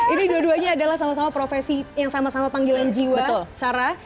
ini dua duanya adalah sama sama profesi yang sama sama panggilan jiwa sarah